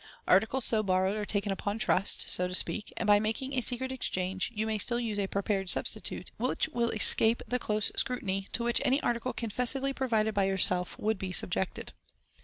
Articles so borrowed are taken upon trust, so to speak, and by making a secret exchange you may still use a prepared substitute, which will escape the close scrutiny to which any article confessedly provided by yourself would be suujected.